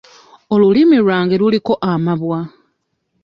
Olulimi lwange luliko amabwa.